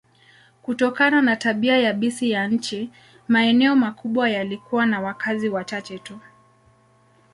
Kutokana na tabia yabisi ya nchi, maeneo makubwa yalikuwa na wakazi wachache tu.